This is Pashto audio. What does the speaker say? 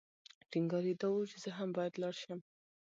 ټینګار یې دا و چې زه هم باید لاړ شم.